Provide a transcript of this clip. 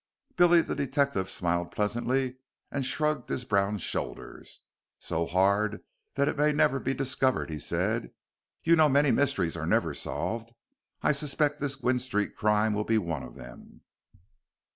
Billy the detective smiled pleasantly and shrugged his brown shoulders. "So hard that it may never be discovered," he said. "You know many mysteries are never solved. I suspect this Gwynne Street crime will be one of them."